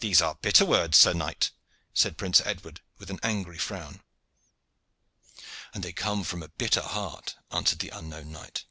"These are bitter words, sir knight," said Prince Edward, with an angry frown. "And they come from a bitter heart," answered the unknown knight.